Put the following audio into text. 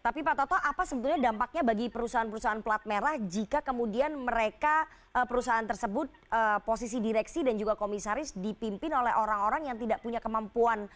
tapi pak toto apa sebetulnya dampaknya bagi perusahaan perusahaan pelat merah jika kemudian mereka perusahaan tersebut posisi direksi dan juga komisaris dipimpin oleh orang orang yang tidak punya kemampuan